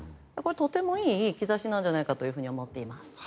とてもいい兆しなんじゃないかと思っています。